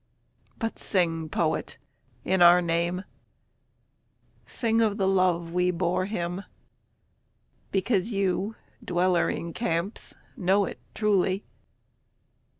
But sing poet in our name, Sing of the love we bore him because you, dweller in camps, know it truly.